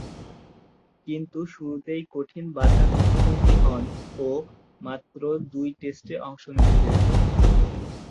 কিন্তু শুরুতেই কঠিন বাঁধার মুখোমুখি হন ও মাত্র দুই টেস্টে অংশ নিতে পেরেছেন।